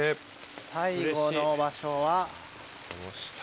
最後の場所は。